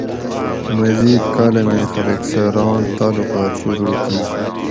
مزید کالامیں خلق سہ ران تعلقات شروع کیر